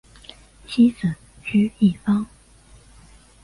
妻子琚逸芳。